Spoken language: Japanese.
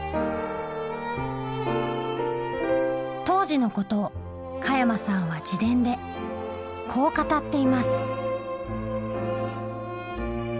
当時のことを加山さんは自伝でこう語っています。